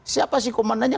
siapa sih komandannya